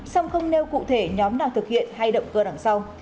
song không nêu cụ thể nhóm nào thực hiện hay động cơ đằng sau